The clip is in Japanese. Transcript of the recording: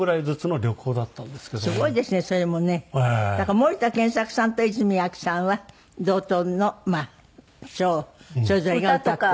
森田健作さんと泉アキさんは同等のショーをそれぞれが歌って。